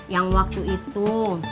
yang waktu itu